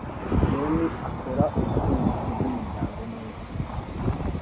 John akora ubucuruzi bwumuryango neza